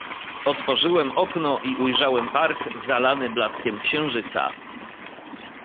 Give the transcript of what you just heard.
"Otworzyłem okno i ujrzałem park, zalany blaskiem księżyca."